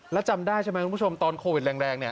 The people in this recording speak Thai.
แล้วจำได้ใช่ไหมคุณผู้ชมตอนโควิดแรงเนี่ย